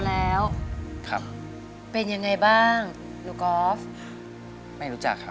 แล้วครับเป็นยังไงบ้างหนูกอล์ฟไม่รู้จักครับ